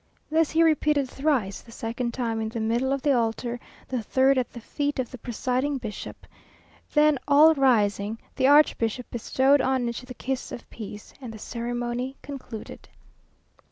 This he repeated thrice; the second time, in the middle of the altar, the third at the feet of the presiding bishop. Then all rising, the archbishop bestowed on each the kiss of peace, and the ceremony concluded.